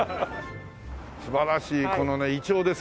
素晴らしいこのねイチョウですか？